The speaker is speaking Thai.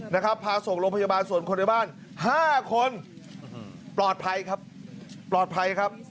นะครับพาส่งโรงพยาบาลส่วนคนในบ้านห้าคนปลอดภัยครับปลอดภัยครับ